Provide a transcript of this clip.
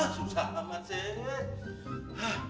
susah amat sih